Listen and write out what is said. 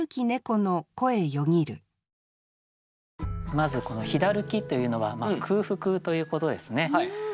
まずこの「ひだるき」というのは空腹ということですね。